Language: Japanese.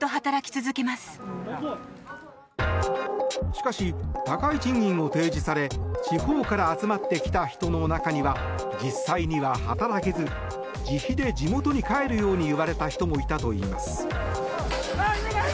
しかし、高い賃金を提示され地方から集まってきた人の中には実際には働けず自費で地元に帰るように言われた人もいたといいます。